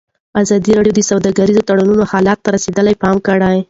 ازادي راډیو د سوداګریز تړونونه حالت ته رسېدلي پام کړی.